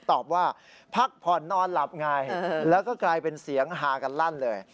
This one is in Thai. ตอบว่าพักผ่อนนอนหลับไงแล้วก็กลายเป็นเสียงฮากันลั่นเลย